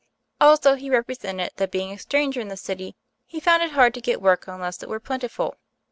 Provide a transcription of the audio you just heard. Also, he represented that being a stranger in the city he found it hard to get work unless it were plentiful.